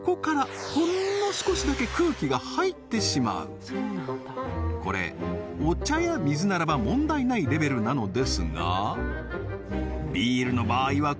実はこれお茶や水ならば問題ないレベルなのですが